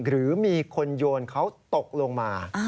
หรือมีคนโยนเขาตกลงมา